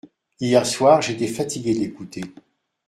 Hier soir j’étais fatigué de l’écouter.